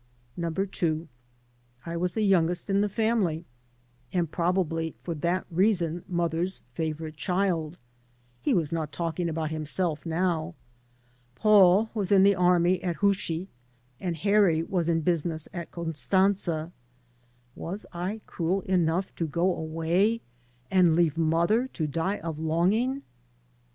Number two: I was the youngest in the family, and probably for that reason mother's favorite child — he was not talking about himself now. Paul was in the army at Hushi, and Harry was in business at Con stantza. Was I cruel enough to go away and leave mother to die of longing?